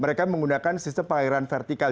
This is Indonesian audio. mereka menggunakan sistem perairan vertikal